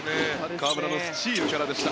河村のスチールからでした。